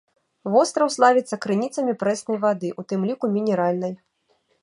Востраў славіцца крыніцамі прэснай вады, у тым ліку мінеральнай.